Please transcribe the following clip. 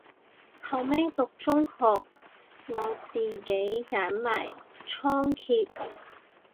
後尾讀中學我自己練埋倉頡